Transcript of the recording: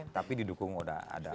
tapi didukung udah ada